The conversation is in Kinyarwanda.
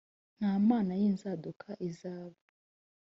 nta mana y inzaduka izaba